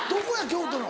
京都の。